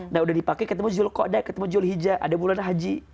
nah sudah dipakai ketemu julh qodai ketemu julh hijrah ada bulan haji